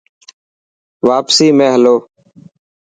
پاسي ۾ هلو.